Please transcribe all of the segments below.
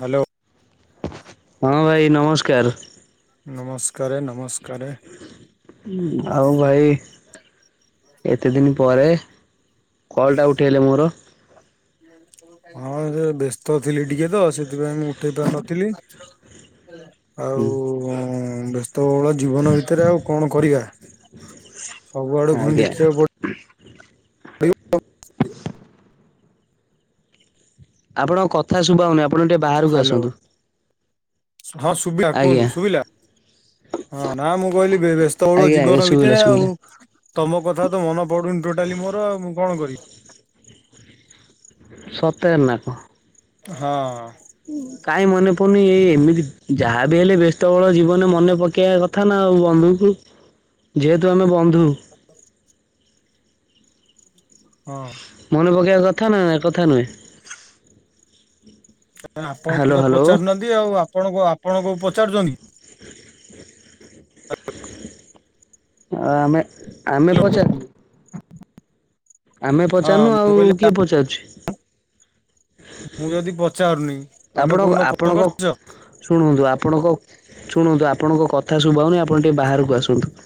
Hello ହଁ ଭାଇ ନମସ୍କାର ନମସ୍କାର ନମସ୍କାର ଆଉ ଭାଇ ଏତେ ଦିନ ପରେ କଲ୍ଟା ଉଠେଇଲେ ମୋର ହଁ ସେ ବ୍ୟସ୍ତ ଥିଲି ଟିକେ ତ ସେଥିପାଇଁ ମୁଁ ଉଠେଇ ପାର ନଥିଲି ଆଉ ହୁଁ ବ୍ୟସ୍ତ ବୋଳ ଜୀବନ ଭିତରେ ଆଉ କଣ କରିବା ସବୁଆଡୁ ପୁଣି ଦେଖିବାକୁ ପଡ ହୁଁ ହରି ଆପଣଙ୍କ କଥା ଶୁଭଉନି ଆପଣ ଟିକେ ବାହାରକୁ ହ୍ୟାଲୋ ଆସନ୍ତୁ ହଁ ଶୁଭିଲା କୁହନ୍ତୁ ଆଜ୍ଞା ଶୁଭିଲା ହଁ ନା ମୁଁ କହିଲି ବ୍ୟସ୍ତ ବଳ ଆଜ୍ଞା ଆଜ୍ଞା ଜୀବନ ଶୁଭିଲା ଭିତରେ ଆଉ ଶୁଭିଲା ତମ କଥା ତ ମନେ ପଡୁନି ଟୋଟାଲି ମୋର ଆଉ ମୁଁ କଣ କରିବି ସତେରନାକୁ ହଁ କଁ ମନ ୁନି ଏଇ ଏମିତି ଯାହାବି ହେଲେ ବ୍ୟସ୍ତ ବଳ ଜୀବନ ମନେ ପକେଇବା କଥା ନା ଆଉ ବନ୍ଧୁଙ୍କୁ ଯେହେତୁ ଆମେ ବନ୍ଧୁ ହଁ ମନେ ପକେଇବା କଥା ନା କଥା ନୁହେଁ ଆପଣ ହ୍ୟାଲୋ ତ ହ୍ୟାଲୋ ପଚାରୁନାହାନ୍ତି ଆଉ ଆପଣ ଆପଣଙ୍କୁ ପଚାରୁଛନ୍ତି ହ ଆମେ ଆମେ ହ୍ୟାଲୋ ପଞ୍ଚା ଆମେ ହଁ ପଚାରୁନୁ ମୁଁ ଆଉ କହିଲି କିଏ ପଚାରୁଛିୁ ମୁଁ ଯଦି ପଚାରୁନି ତମେ ଆପଣ କୋଉଦିନ ଫୋନ ଆପଣଙ୍କ କରିଛ ଶୁଣନ୍ତୁ ଆପଣଙ୍କ ଶୁଣନ୍ତୁ ଆପଣଙ୍କ କଥା ଶୁଭଉନି ଆପଣ ଟିକେ ବାହାରକୁ ଆସନ୍ତୁ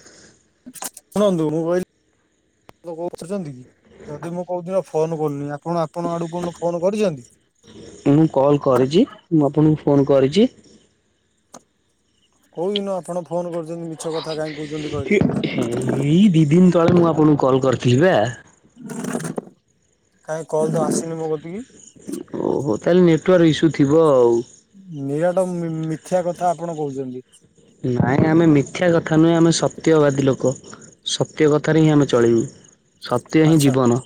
କହୁଛନ୍ତି କି ଯଦି ମୁଁ କୋଉଦିନ ଫୋନ କରୁନି ଆପଣ ଆପଣ ଆଡକୁ ଫୋନ କରିଛନ୍ତି ମୁଁ କଲ କରିଛି ମୁଁ ଆପଣଙ୍କୁ ଫୋନ କରିଛି କହୁିନୁ ଆପଣ ଫୋନ କରୁଛନ୍ତି ମିଛ କଥା କାହିଁ କହୁଛନ୍ତି କହିଲେ ସେତେବେଳେ ମୁଁ ଆପଣଙ୍କୁ କଲ୍ କରିଥିଲି ବା କାହିଁ କଲ ତ ଆସନି ମୋ କତିକି ଓହୋ ତାହେଲେ ନେଟୱାର୍କ ଇସ୍ୟୁ ଥିବ ଆଉ ନିରାଟ ମିଥ୍ୟା କଥା ଆପଣ କହୁଛନ୍ତି ନାଇଁ ଆମେ ମିଥ୍ୟା କଥା ନୁହେଁ ଆମେ ସତ୍ୟବାଦୀ ଲୋକ ସତ୍ୟ କଥାରେ ହିଁ ଆମେ ଚଳିବୁ ସତେଇସି ଆଚ୍ଛା। ଯୀବନ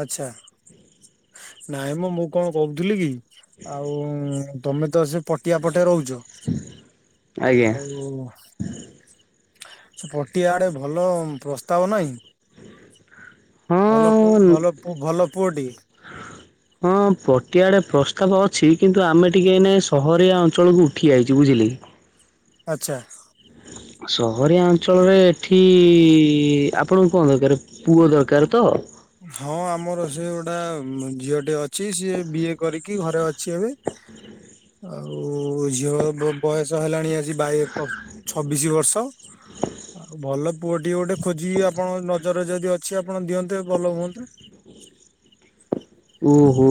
ଆଚ୍ଛା ନାଇଁ ମୁଁ ମୁଁ କଣ କହୁଥିଲି କି ଆଉ ତମେ ତ ସେ ପଟିଆ ପ ଗୋଟେ ରହୁଛ ଆଜ୍ଞା ଆଉ ସେ ପଟିଆ ଆଡେ ଭଲ ପ୍ରସ୍ତାବ ନହିଁ ହଁ ପୁଅଟିଏ ହଁ ପଟିଆଡେ ତ ଅଛି କିନ୍ତୁ ଆମେ ଟିକେ ସହରଆ ଅଞ୍ଚଳକୁ ଉଠିଯାଇଛି ବୁଝିଲେ ଆଚ୍ଛା ସହରିଆ ଅଞ୍ଚଳରେ ଏଠି ଆପଣଙ୍କୁ କଣ ଦରକାର ପୁଅ ଦରକାର ତ? ହଁ ଆମର ସେ ଗୋଟା ଝିଅଟି ଅଛି ସିଏ ବିଏ କରିକି ଘରେ ଅଛି ଏବେ ଆଉ ଝିଅ ବୟସ ହେଲାଣି ାଇ ଛବିଶି ବର୍ଷ ଆ ଭଲ ପୁଅଠି ଗୋଟେ ଖୋଜିକି ଆପଣ ନଜର ଯଦି ଅଛି ଆପଣ ଦିଅନ୍ତେ ଭଲ ହୁଅନ୍ତୁ ଓ ହୁଁ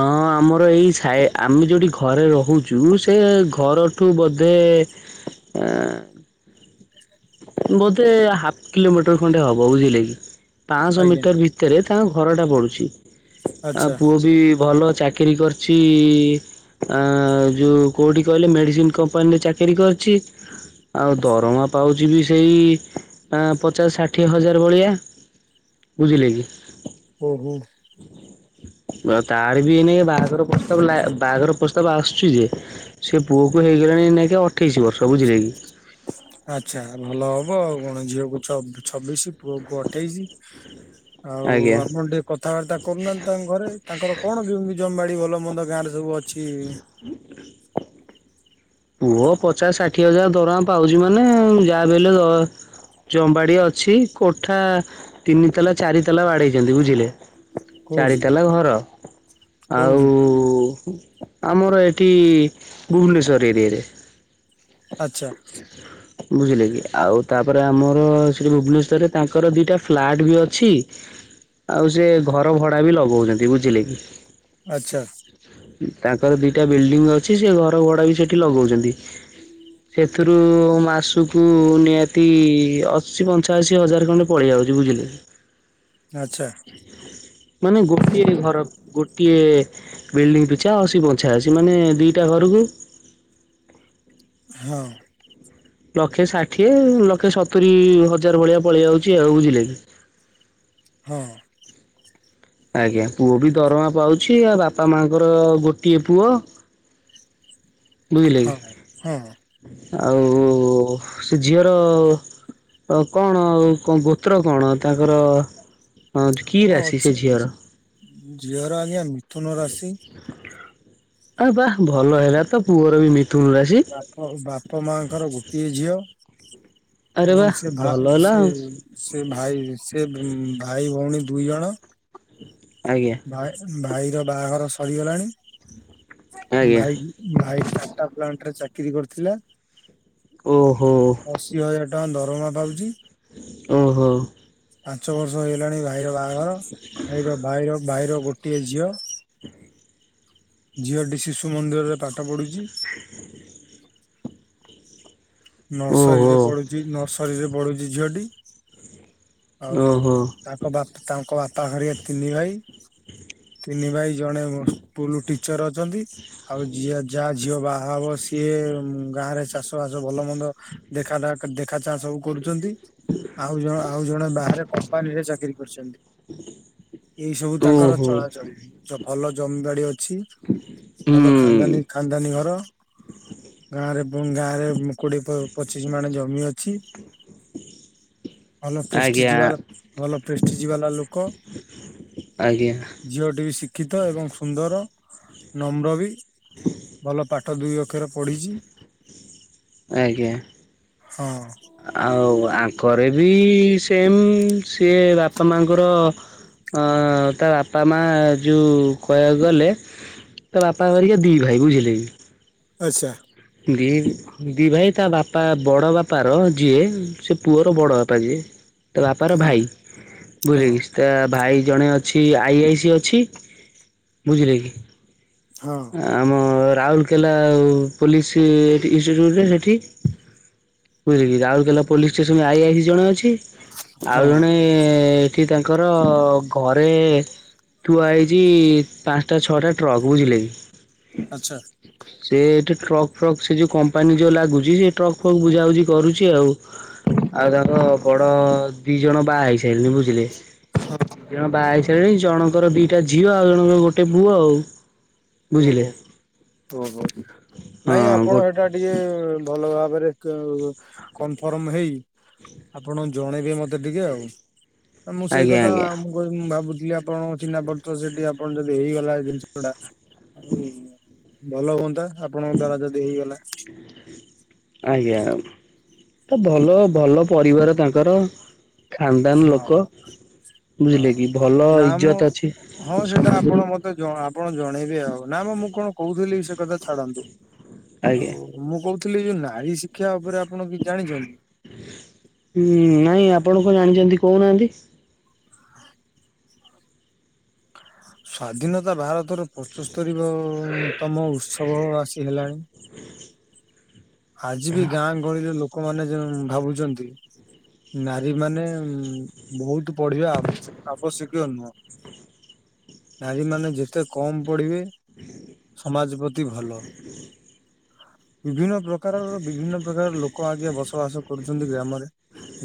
ଅଁ ଆମର ଏଇ ଆମେ ଯୋଠି ଘରେ ରହୁଛୁ ସେ ଘରଠୁ ବୋଧେ ସେ ଆ ବୋଧେ ହାଫ କିଲୋମିଟର ଖଣ୍ଡେ ହବ ବୁଝିଲେ କି, ପାଞ୍ଚଶହ ଆଜ୍ଞା ମିଟର ଭିତରେ ତାଙ୍କ ଘରଟା ପଡ଼ୁଛି ଆ ଆଚ୍ଛା ପୁଅ ବି ଭଲ ଚାକିରି କରିଛି ଆ ଯୋଉ କୋଉଠି କହିଲେ -ମେଡିସିନ କମ୍ପାନୀରେ ଚାକିରି କରିଛି। ଆଉ ଦରମା ପାଉଛି ବି ସେଇ ପଚାଶ ଷାଠିଏ ହଜାର ଭଳିଆ ବୁଝିଲେକି? ଓହୋ ତାର ବି ଏ ନେ ବାହାଘର ପ୍ରସ୍ତାବ, ବାହାଘର ପ୍ରସ୍ତାବ ତ ଆସୁଛି ଯେ, ସେ ପୁଅକୁ ହେଇଗଲାଣି ଏଇନେକେ ଅଠେଇଶି ବର୍ଷ, ବୁଝିଲେ କି? ଯା ଭଲ ହବ ଆଉ କଣ, ଝିଅକୁ ଛବିଶି, ପୁଅ କ ଅଠେଇଶି ଆଉ ଆଜ୍ଞା ଆପଣ ଟିକେ କଥାବାର୍ତ୍ତା କରୁନାହାନ୍ତି ତାଙ୍କ ଘରେ ତାଙ୍କର, କଣ କେମତି ଜମି ଭଲ ମନ୍ଦ ଗାଁରେ ସବୁ ଅଛି। ପୁଅ ପଚାଶ ଷାଠିଏ ହଜାର ଦରମା ପାଉଛି ମାନେ ଯାହା ବି ହେଲେ ଜମିବାଡି ଅଛି କୋଠା ତିନି ତାଲା, ଚାରି ତଲା ବାଡେଇଛନ୍ତି, ବୁଝିଲେ ଚାରି କୋଉଠି ତାଲା ଘର ଆଉ କୋଉଠି ଆମର ଏଠି ଭୁବନେଶ୍ଵର ଏରିଆ ହ [inaudible] ଆଚ୍ଛା। ବୁଝିଲେ କି -ଆଉ ତାପରେ ଆମର, ସେଠି ଭୁବନେଶ୍ଵରରେ ତାଙ୍କର ଦିଟା ଫ୍ଲାଟ ବି ଅଛି। ଆଉ ସେ ଘର ଭଡା ବି ଲଗଉଛନ୍ତି, ବୁଝିଲେ କି? ଆଚ୍ଛା। ତାଙ୍କର ଦିଟା ବିଲଡିଙ୍ଗ ଅଛି ସେ ଘର ଭଡା ବି ସେଠି ଲଗଉଛନ୍ତି। ସେଥିରୁ ମାସକୁ ନିହାତି ଅଶୀ ପଞ୍ଚାଅଶୀ ହଜାର ଖଣ୍ଡେ ପଳେଇ ଆଉ ବଝ ବୁଝିଲି [unintelligible] ଆଚ୍ଛା ମାନେ ଗୋଟିଏ ଘର, ଗୋଟିଏ ବିଲ୍ଡିଙ୍ଗ ପିଛା ଅଶୀ ପଞ୍ଚଅଶୀ, ମାନେ ଦିଟା ଘରକୁ ହଁ ଲକ୍ଷେ ଷାଠିଏ, ଲକ୍ଷେ ସତୁରି ହଜାର, ଭଳିଆ ପଳେଇ ଯାଉଛି ଆଉ- ବୁଝିଲେ କି? [inaudible] ହଁ ଆଜ୍ଞା, ପୁଅ ବି ଦରମା ପାଉଛି, ଆ ବାପା ମାଙ୍କର ଗୋଟିଏ ପୁଅ ବୁଝିଲେ କି, ହଁ। ହଁ ଆଉ ସେ ଝିଅର କଣ ଆଉ ଗୋତ୍ର କଣ ତାଙ୍କର ହଁ କି ତାଙ୍କର ରାଶି ଅଛି ସେ ଝିଅର ଝିଅର ଆଜ୍ଞା -ମିଥୁନ ରାଶି ଏ ବା ଭଲ ହେଲା ତ ପୁଅର ବି ମି ବାପ, ବାପ ମାଙ୍କର ଗୋଟିଏ ଝିଅ ଆରେ ବା ଏବଂ ସେ ଭ ଭଲ ହେଲା ସେ ଆଉ। ସେ ଭାଇ ସେ ଭାଇ ଭଉଣୀ ଦୁଇ ଜଣ, ଆଜ୍ଞା ଭାଇ, ଭାଇର ବାହାଘର ସରିଗଲାଣି ଆଜ୍ଞା ଭାଇ, ଭାଇ ଟାଟା ପ୍ଲାଣ୍ଟରେ ଚାକିରି କରିଥିଲା ଓହୋ ଅଶି ହଜାର ଟଙ୍କା ଦରମା ପାଉଛି। ଓହୋ ପାଞ୍ଚ ବର୍ଷ ହେଇଗଲାଣି ଭାଇର ବାହାଘର, ଭାଇର ଭାଇର ଭାଇର ଗୋଟିଏ ଝିଅ ଝିଅଟି ଶିଶୁ ମନ୍ଦିରରେ ପାଠ ପଢୁଛି। [inaudible] ନର୍ସରୀରେ ଓହୋ। ପଢୁଛି, ନର୍ସରୀ ରେ ପଢୁଛି ଝିଅଟି ଆଉ ଓହୋ ତାଙ୍କ ବାପ, ତାଙ୍କ ବାପା ତାଙ୍କର ତିନି ଭାଇ, ତିନି ଭାଇ ଜଣେ ସ୍କୁଲ ଟିଚର ଅଛନ୍ତି ଆଉ, ଝିଅ ଯାହା ଝିଅ ବାହା ହେବ, ସିଏ ଗାଁ ରେ ଚାଷ ବାସ ଭଲ ମନ୍ଦ ଦେଖା ଦେଖା ଚାହାଁ ସବୁ କରୁ ଆ, ଆଉ ଜଣେ ବାହାରେ କମ୍ପାନୀରେ ଚାକିରୀ କରିଛନ୍ତି। ଏଇ ସବୁ ଓହୋ ତାଙ୍କର ହୁଁ ଚଳାଚଳ, ଭଲ ଜମିବାଡି ଅଛି ଭଲ ଖାନଦାନୀ, ଖାନଦାନୀ ଘର, ଗାଁରେ ପୁଣି ଗାଁରେ କୋଡିଏ ପଚିଶି ମାନେ ଜମି ଅଛି ଭଲ ପେଷ୍ଟି ଆଜ୍ଞା ଯିବା ଭଲ ପେଷ୍ଟି ଯିବାଲା ଲୋକ ଆଜ୍ଞା ଝିଅଟି ବି ଶିକ୍ଷିତ ଏବଂ ସୁନ୍ଦର ନମ୍ର ବି ଭଲ ପାଠ ଦୁଇ ଅକ୍ଷରେ ପଢିଛି ଆଜ୍ଞା ହଁ ଆଉ ଆଙ୍କରେ ବି ସେମ ସିଏ ବାପା ମାଙ୍କର ତ ବାପା ମା ଯେଉଁ କହିବାକୁ ଗଲେ ତା ବାପା କରରିକା ଦି ଭାଇ ବୁଝିଲେ ଆଚ୍ଛା ଦି ଦି ଭାଇ ତା ବାପା ବଡ ବାପାର ଯିଏ ସେ ପୁଅର ବଡ ବାପା ଯିଏ ତ ବାପାର ହଁ ଭାଇ ହଁ ବୁଲି ତା ଭାଇ ଜଣେ ଅଛି ଆଇ ଆଇ ସି ଅଛି ବୁଝିଲେ କି ହଁ ଆମ ରାଉରକେଲା ପୋଲିସ ବୁଝିଲେ କି ରାଉରକେଲା ପୋଲିସ ଷ୍ଟେସନରେ ଆଇଇ ଜଣେ ଅଛି ଆଉ ହଁ ଜଣେ ଏଠି ତାଙ୍କର ଘରେ ଆରେ ତୁ ଆଇଚ ପାଞ୍ଚଟା ଛଅଟା ଟ୍ରକ ବୁଝିଲେ କି ଆଚ୍ଛା। ସେ ଏଠି ଟ୍ରକ୍ ଫ୍ରକ୍ ସେ ଯୋଉ କମ୍ପାନୀ ଯୋଉ ଲାଗୁଛି ସେ ଟ୍ରକ୍ ଫ୍ରକ୍ ବୁଝାାବୁଝି କରୁଛି ଆଉ। ଆଉ ତାଙ୍କ ବଡ ଦି ଜଣ ବାହା ହେଇସାରିଲେଣି ବୁଝିଲେ। ଦ ଜଣ ବାହା ସରିଲଣି ଜଣଙ୍କର ଦିଟା ଝିଅ ଆଉ ଜଣଙ୍କର ଗୋଟେ ପୁଅ ଆଉ। ବୁଝିଲେ। ଓହୋ ଓହୋ ନାଇଁ ହଁ ଗୋ ଆପଣ ଏଇଟା ଟିକେ ଭଲ ଭାବରେ କନଫର୍ମ ହେଇ ଆପଣ ଜଣେଇବେ ମତେ ଟିକେ ଆଉ। ମୁଁ ସେଇ ଆଜ୍ଞା କଥାଁ ଆଜ୍ଞା ଭାବୁଛି ଦେିଲି ଆପଣ ଚିହ୍ନା ପଡ଼ଚ ସେଠି ଆପଣ ଯଦି ହେଇଗଲା ଜିନିଷ ଟା ହଉ ଭଲ ହୁଅନ୍ତା। ଆପଣଙ୍କ ଦ୍ଵାରା ଯଦି ହେଇଗଲା। ଆଜ୍ଞା। ତ ଭଲ ଭଲ ପରିବାର ତାଙ୍କର ଖାନଦାନ ହଁ ଲୋକ। ହଁ ବୁଝିଲେ କି ଭଲ ନା ମୁଁ ଇଜ୍ଜତ ଅଛି ହଁ ସେଟା ସମାଜରେ ଆପଣ ମତେ ଜ କଣ ଜଣେଇବି ଆଉ ନା ବା ମୁଁ କଣ କହୁଥିଲି ସେ କଥା ଛାଡନ୍ତୁ ଆଜ୍ଞା। ଆଉ ମୁଁ କହୁି ଥିଲି ଯୋଉ ନାରୀ ଶିକ୍ଷା ଉପରେ ଆପଣ କିଛି ଜାଣିଛନ୍ତି? ହଁ ନାଇଁ ଆପଣ କଣ ଜାଣିଛନ୍ତି କହୁ ନାହାନ୍ତି? ସ୍ଵାଧୀନତା ଭାରତର ପଞ୍ଚସ୍ତରୀ ତମ ଉତ୍ସବ ଖସି ହେଲାଣି ଆଜି ବି ଗାଁ ଗହଳିରେ ଲୋକମାନୋନ ଭାବୁଛନ୍ତି ନାରୀ ମାନେ ବହୁତ ପଢିବା ଆବ୍ୟ ଆବଶ୍ୟକୀୟ ନୁହଁ। ନାରୀ ମାନେ ଯେତେ କମ ପଢିବେ ସମାଜ ପ୍ରତି ଭଲ ବିଭିନ୍ନ ପ୍ରକାର ପ୍ରକାରର ବିଭିନ୍ନ ପ୍ରକାର ଲୋକ ଆଗଞା ବସବାସ କରୁଛନ୍ତି ଗ୍ରାମରେ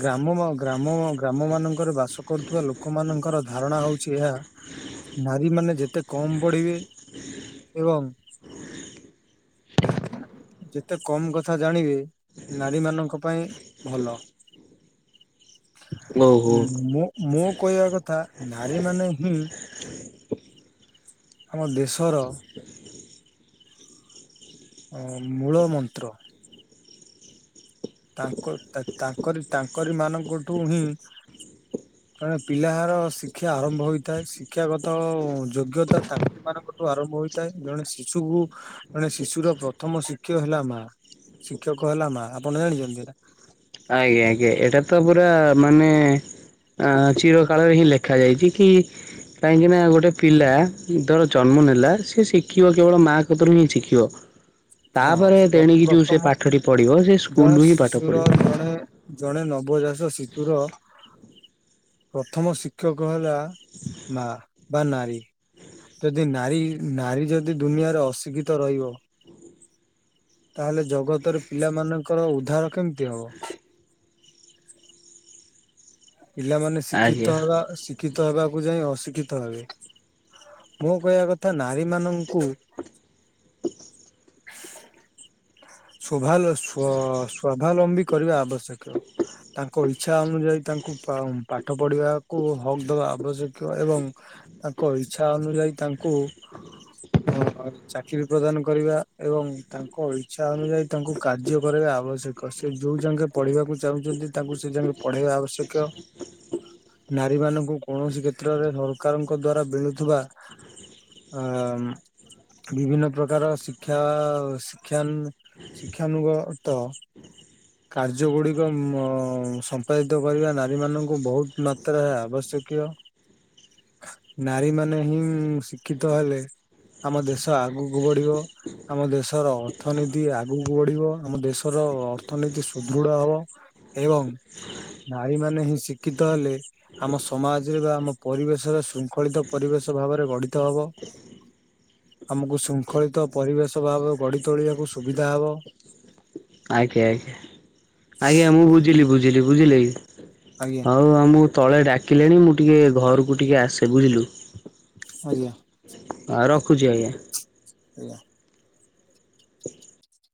ଗ୍ରାମ ଗ୍ରାମ ଗ୍ର ଆମ ମାନଙ୍କରେ ବାସ କରୁଥିବା ଲୋକମାନାନଙ୍କର ଧାରଣା ହଉଛି ଏହା ନାରୀ ମାନେ ଯେତେ କମ ପଢିବେ ଏବଂ ଯେତେ କମ୍ କଥା ଜାଣିବି ନାରୀ ମାନଙ୍କ ପାଇଁ ଭଲ। ଓହୋ ମୁଁ ମୁଁ କହିବା କଥା ନାରୀ ମାନେ ହିଁ ଆମ ଦେଶର ଅ ମୂଳ ମନ୍ତ୍ର। ତାଙ୍କ ତାଙ୍କରି ତାଙ୍କରି ମାନଙ୍କଠୁ ହିଁ କାରଣ ପିଲାାର ଶିକ୍ଷା ଆରମ୍ଭ ହୋଇଥାଏ ଶିକ୍ଷାଗତ ଯୋଗ୍ୟତା ତାଙ୍କ ମାନଙ୍କର ୁ ଆରମ୍ଭ ହୋଇଥାଏ ଜଣେ ଶିଶୁକୁ ଜଣେ ଶିଶୁର ପ୍ରଥମ ଶିକ୍ଷକ ହେଲା ମା। ଶିକ୍ଷକ ହେଲା ମା ଆପଣ ଜାଣିଛନ୍ତି ନା? ଆଜ୍ଞା ଆଜ୍ଞା ଏଇଟା ତ ପୁରା ମାନେ ଅ ଚିର କଳରେ ହିଁ ଲେଖା ଯାଇଛି କି କାହିଁକିନା ଗୋଟେ ପିଲା ଧର ଜନ୍ମ ନେଲା ସ ଶିଖିବ କେବଳ ମାଆ କତରୁ ହିଁ ଶିଖିବ। ହଁ ତାପରେ ପ୍ର ଦେଣିକି ଯୋଉ ସେ ପ୍ରଥମ ପାଠଟି ପଢିବ ସେ ଜଣେ ସ୍କୁଲୁ ହିଁ ପାଠ ଶିଶୁର ପଢିବ। ଜଣେ ଜଣେ ନବଜାାତ ଶିଶୁର ପ୍ରଥମ ଶିକ୍ଷକ ହେଲା ମା। ବା ନାରୀ ଯଦି ନାରୀ ନାରୀ ଯଦି ଦୁନିଆରେ ଅଶିକ୍ଷିତ ରହିବ? ତାହେଲେ ଜଗତରେ ପିଲାମାନଙ୍କର ଉଦ୍ଧାର କେମିତି ହବ? [unintelligible] ପିଲାମାନେ ଆଜ୍ଞା ଶିକ୍ଷିତ ହେବା ଶିକ୍ଷିତ ହେବାକୁ ଯାଇ ଅଶିକ୍ଷିତ ହେବେ। ମୁଁ କହିବା କଥା ନାରୀ ମାନଙ୍କୁ ସୋଭାଲୋଷ୍ୟ ସ୍ୱାବଲମ୍ବୀ କରିବା ଆବଶ୍ୟକ ତାଙ୍କ ଇଚଛା ଅନୁଯାୟୀ ତାଙ୍କୁ ପାଠ ପଢିବାକୁ ହକ୍ ଦେବା ଆବଶ୍ୟକ ଏବଂ ତାଙ୍କ ଇଚ୍ଛା ଅନୁଯାୟୀ ତା ହୁଁ। ଅ ଚାକିରି ପ୍ରଦାନ କରିବା ଏବଂ ତାଙ୍କ ଇଚଛା ଅନୁଯାୟୀ ତାଙ୍କୁ କାର୍ଯ୍ୟ କରିବା ଆବଶ୍ୟକ। ସେ ଯୋଉ ଜାକେ ପଢିବାକୁ ଚାହୁଁଛନ୍ତି ତାଙ୍କୁ ସେ ଯଙ୍ଗେ ପଢେଇବା ଆବଶ୍ୟକ। ନାରୀ ମାନଙ୍କୁ କୌଣସି କ୍ଷେତ୍ରରେ ସରକାରଙ୍କ ଦ୍ଵାରା ମିଳୁଥିବା ଆ ବିଭିନ୍ନ ପ୍ରକାର ଶିକ୍ଷା ଶିକ୍ଷା ଶିକ୍ଷାନୁଗ ତ କାର୍ଯ୍ୟ ଗୁଡିକ ସମ୍ପାଦିତ କରିବା ନାହିଁ ମାନଙ୍କୁ ବହୁତ ମାତ୍ରା ଆବଶ୍ୟକୀୟ ନାରୀ ମାନେ ହିଁ ଶିକ୍ଷିତ ହେଲେ ଆମ ଦେଶ ଆଗକୁ ବଢିବ ଆମ ଦେଶର ଅର୍ଥନୀତି ଆଗକୁ ବଢିବ ଆମ ଦେଶର ଅର୍ଥନୀତି ସୁଦୃଢ ହବ ଏବଂ ଭଇ ମାନେ ହିଁ ଶିକ୍ଷିତ ହେଲେ ଆମ ସମାଜରେ ବା ଆମ ପରିବେଶରେ ଶୃଙ୍ଖଳିତ ପରିବେଶ ଭାବରେ ବଢିତ ହବ ଆମକୁ ଶୃଙ୍ଖଳିତ ପରିବେଶ ଭାବ ଗଢ ତୋଳିବାକୁ ସୁବିଧା ହବ ଆଜ୍ଞା ଆଜ୍ଞା ଆଜ୍ଞା ମୁଁ ବୁଝିଲି ବୁଝିଲି ବୁଝିଲେ ଆଜ୍ଞା ହଉ ଆଉ ମୁଁ ତଳେ ଡାକିଲେଣି ମୁଁ ଟିକେ ଘରକୁ ଟିକେ ଆସେ ବୁଝିଲୁ ଆଜ୍ଞା ହଁ ରଖୁଛି ଆଜ୍ଞା ଆଜ୍ଞା।